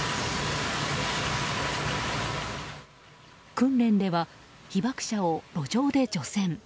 訓練では被ばく者を路上で除染。